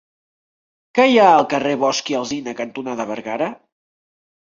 Què hi ha al carrer Bosch i Alsina cantonada Bergara?